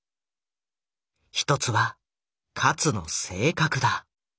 一つは勝の性格だ。